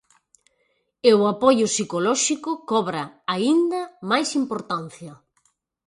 E o apoio psicolóxico cobra aínda máis importancia.